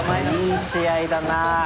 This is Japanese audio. いい試合だな。